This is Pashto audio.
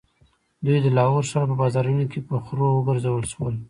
دوی د لاهور ښار په بازارونو کې په خرو وګرځول شول.